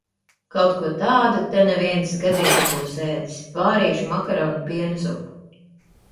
Kaut ko tādu te neviens gadiem nebūs ēdis. Vārīšu makaronu pienzupu.